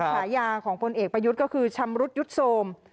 ฉายาของพลเอกประยุทธ์ก็คือชำรุดยุดโทรม